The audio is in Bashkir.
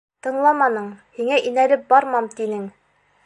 Тыңламаның, һиңә инәлеп бармам тинең!